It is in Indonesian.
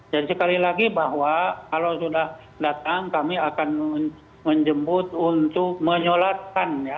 jadi sekali lagi bahwa kalau sudah datang kami akan menjemput untuk menyolatkan